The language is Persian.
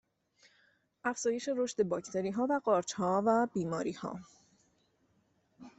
افزایش رشد باکتریها و قارچها و بیماریها